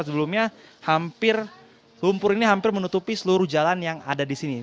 bur ini hampir menutupi seluruh jalan yang ada di sini